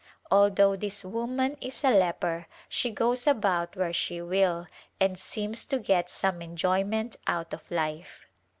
Although this woman is a leper she goes about where she will and seems to get some enjoyment out of life.